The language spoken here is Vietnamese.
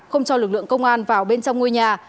không cho lực lượng công an vào bên trong ngôi nhà